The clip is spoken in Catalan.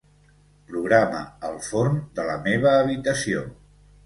Programa el forn de la meva habitació.